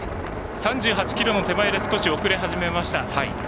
３８ｋｍの手前で少し遅れ始めました。